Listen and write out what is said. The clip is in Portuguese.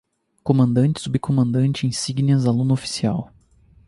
Comandante, Subcomandante, insígnias, Aluno-oficial